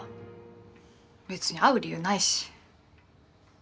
別に会う理由ないし。